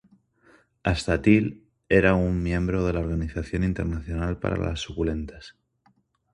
Hasta Till era un miembro de la Organización Internacional para las Suculentas.